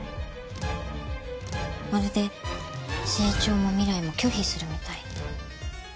まるで成長も未来も拒否するみたいに。